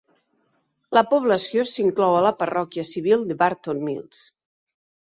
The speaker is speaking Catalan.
La població s'inclou a la parròquia civil de Barton Mills.